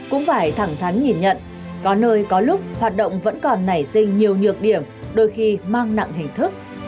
cũng phải thẳng thắn nhìn nhận có nơi có lúc hoạt động vẫn còn nảy sinh nhiều nhược điểm đôi khi mang nặng hình thức